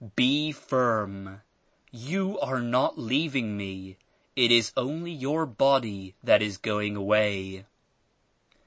Be firm! You are not leaving me; it is only your body that is going away.